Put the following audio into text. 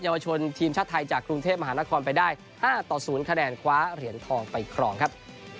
ยาวชนทีมชาติไทยจากกรุงเทพมหานครไปได้๕ต่อ๐คะแนนคว้าเหรียญทองไปครองครับ